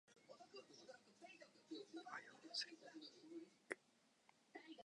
和洋折衷